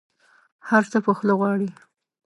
هر څه په خوله غواړي.